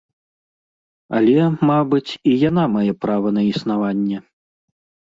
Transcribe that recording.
Але, мабыць, і яна мае права на існаванне.